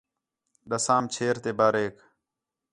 ݙَسام چھیر تے باریک